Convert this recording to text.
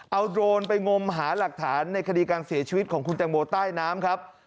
เอาโดรนไปงมหาหลักฐานในคดีการเสียชีวิตของคุณแตงโมใต้น้ำครับ